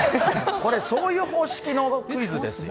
これ、そういう方式のクイズですよ